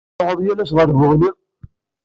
Tettṛuḥuḍ yal ass ɣer Buɣni?